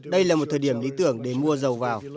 đây là một thời điểm lý tưởng để mua dầu vào